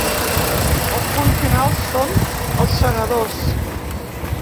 El punt final són Els segadors.